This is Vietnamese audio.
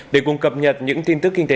để cùng cập nhật những tin tức kinh tế